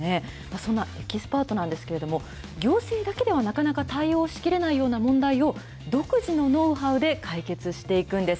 そんなエキスパートなんですけれども、行政だけではなかなか対応しきれないような問題を、独自のノウハウで解決していくんです。